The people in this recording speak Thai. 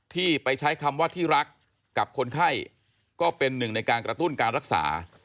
ที่ไปใช้คำว่าที่รักกับคนไข้ก็เป็นหนึ่งในการกระตุ้นการรักษา